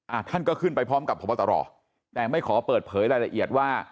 ท่านก็ขึ้นไปพร้อมกับพบตรแต่ไม่ขอเปิดเผยรายละเอียดว่า